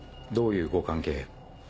どういうご関係？